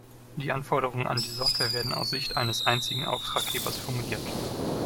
Die Anforderungen an die Software werden aus der Sicht eines einzigen Auftraggebers formuliert.